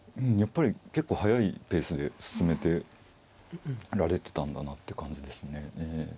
やっぱり結構速いペースで進めてられてたんだなって感じですね。